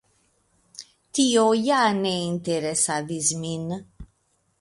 Tio ja ne interesadis min.